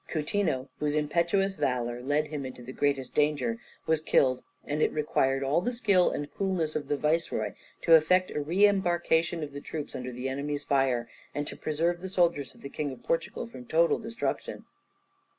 Coutinho, whose impetuous valour led him into the greatest danger, was killed, and it required all the skill and coolness of the viceroy to effect a re embarkation of the troops under the enemy's fire, and to preserve the soldiers of the King of Portugal from total destruction.